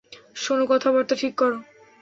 শোনো, কথাবার্তা ঠিক করো।